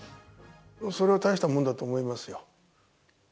それは大したものだと思いますよ。